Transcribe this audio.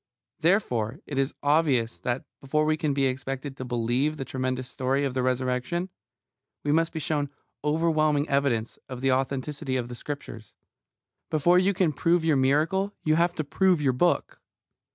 Therefore it is obvious that, before we can be expected to believe the tremendous story of the Resurrection, we must be shown overwhelming evidence of the authenticity of the Scriptures. Before you can prove your miracle you have to prove your book.